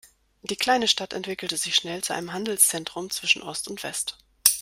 Die kleine Stadt entwickelte sich schnell zu einem Handelszentrum zwischen Ost und West.